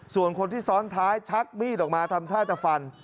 ส่วนคนที่ซ้อนท้ายชักมีดออกมาทำท่าจะฟัน